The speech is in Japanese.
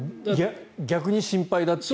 逆に心配だと。